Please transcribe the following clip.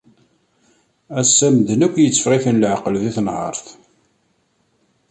ass-a medden yakk itteffeɣ-iten leεqel di tenhert.